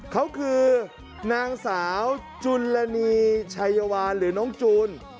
เขาคือนางสาวจุลณีชัยวานหรือน้องจูน